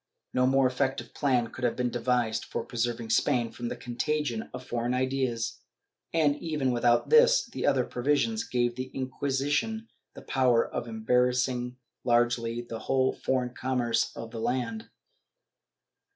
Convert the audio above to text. ^ No more effective plan could have been devised for preserving Spain from the contagion of foreign ideas and, even without this, the other provisions gave to the Inquisition the power of embarrassing largely the whole foreign commerce of the land.